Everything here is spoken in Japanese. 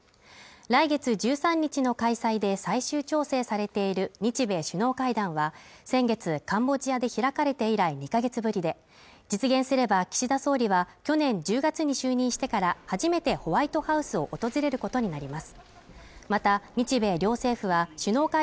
来月１３日の開催で最終調整されている日米首脳会談は先月、カンボジアで開かれて以来２か月ぶりで実現すれば岸田総理は去年１０月に就任してから初めてホワイトハウスを訪れることになります。